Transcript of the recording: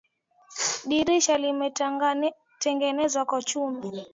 Dirisha limetengenezwa kwa chuma.